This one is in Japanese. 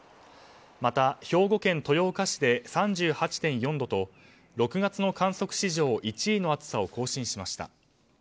また、兵庫県豊岡市で３８．４度と６月の観測史上１位の暑さを更新しました。